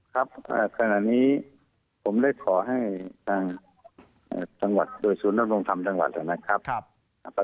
ครับขณะนี้ผมได้ขอให้ทางจังหวัดโดยศูนยำรงธรรมจังหวัดนะครับ